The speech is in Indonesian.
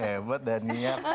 hebat dan niat